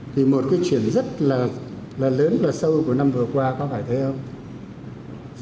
thì một cái chuyển rất là lớn và sâu của năm vừa qua có phải thế không